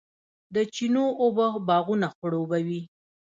د چینو اوبه باغونه خړوبوي.